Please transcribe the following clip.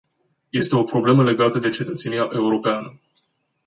Este o problemă legată de cetățenia europeană.